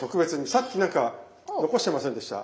さっき何か残してませんでした？